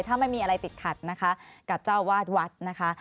ถ้าไม่มีอะไรติดขัดนะคะกับเจ้าวาดวัดนะคะ